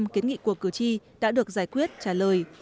chín mươi chín năm kiến nghị của cử tri đã được giải quyết trả lời